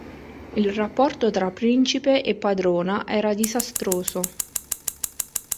Il rapporto tra principe e padrona era disastroso.